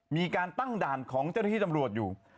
มีการตั้งด่านของเจ้าหน้าที่ตำรวจอยู่